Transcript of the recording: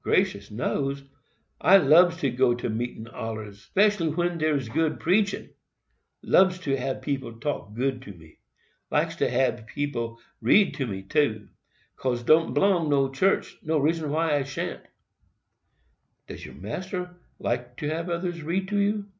"Gracious knows. I lubs to go to meetin allers—'specially when dere 's good preaching—lubs to hab people talk good to me—likes to hab people read to me, too. 'Cause don't b'long to church, no reason why I shan't." "Does your master like to have others read to you?"